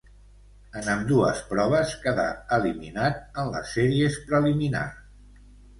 En ambdues proves quedà eliminat en les sèries preliminars.